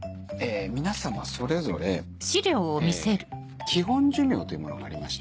皆様それぞれ基本寿命というものがありまして。